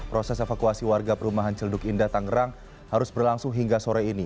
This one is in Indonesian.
proses evakuasi warga perumahan celeduk indah tangerang harus berlangsung hingga sore ini